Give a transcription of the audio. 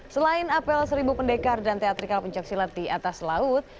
selain apel seribu pendekar dan teatrikal pencaksilat di atas laut